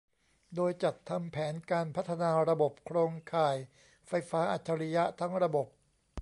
โดยจัดทำแผนการพัฒนาระบบโครงข่ายไฟฟ้าอัจฉริยะทั้งระบบ